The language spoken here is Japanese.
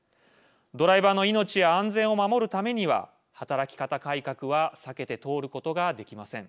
ドライバーの命や安全を守るためには働き方改革は避けて通ることができません。